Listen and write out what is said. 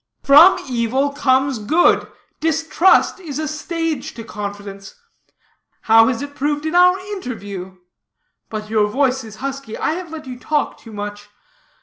"From evil comes good. Distrust is a stage to confidence. How has it proved in our interview? But your voice is husky; I have let you talk too much.